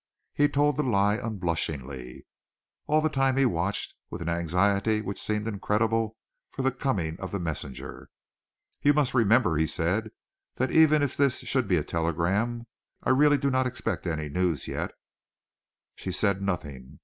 He told the lie unblushingly. All the time he watched, with an anxiety which seemed incredible, for the coming of the messenger. "You must remember," he said, "that even if this should be a telegram, I really do not expect any news yet." She said nothing.